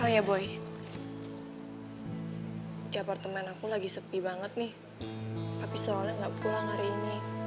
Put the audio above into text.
oh ya boy di apartemen aku lagi sepi banget nih tapi soalnya nggak pulang hari ini